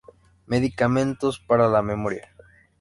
Medicamentos para la memoria.